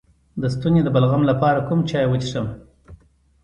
د ستوني د بلغم لپاره کوم چای وڅښم؟